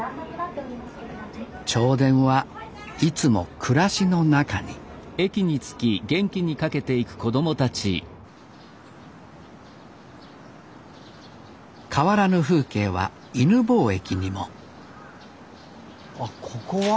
銚電はいつも暮らしの中に変わらぬ風景は犬吠駅にもあっここは？